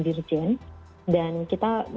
dirjen dan kita